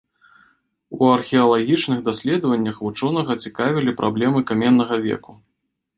У археалагічных даследаваннях вучонага цікавілі праблемы каменнага веку.